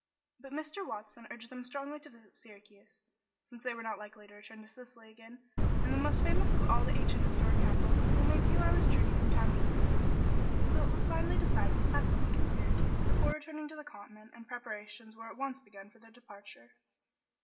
But Mr. Watson urged them strongly to visit Syracuse, since they were not likely to return to Sicily again and the most famous of all the ancient historic capitals was only a few hours' journey from Taormina. So it was finally decided to pass a week in Syracuse before returning to the continent, and preparations were at once begun for their departure.